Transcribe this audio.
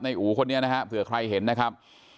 อู๋คนนี้นะฮะเผื่อใครเห็นนะครับ